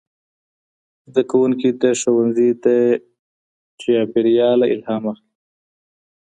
زدهکوونکي د ښوونځي د چاپېرياله الهام اخلي.